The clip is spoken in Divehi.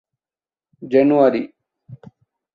ޖެނުއަރީ